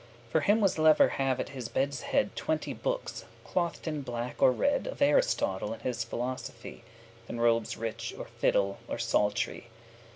For him was lever* have at his bed's head *rather Twenty bookes, clothed in black or red, Of Aristotle, and his philosophy, Than robes rich, or fiddle, or psalt'ry.